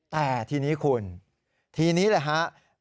แต่ทีนี้คุณทีนี้แหละครับ